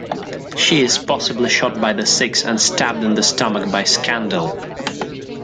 She is possibly shot by the Six, and stabbed in the stomach by Scandal.